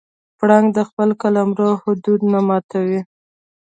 پړانګ د خپل قلمرو حدود نه ماتوي.